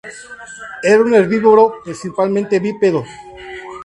Era un herbívoro principalmente bípedo.